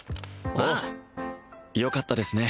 ああおうよかったですね